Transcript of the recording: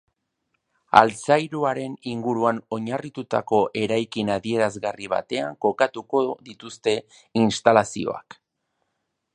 Altzairuaren inguruan oinarritutako eraikin adierazgarri batean kokatuko dituzte instalazioak.